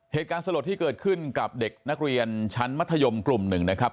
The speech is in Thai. เหตุการณ์สลดที่เกิดขึ้นกับเด็กนักเรียนชั้นมัธยมกลุ่มหนึ่งนะครับ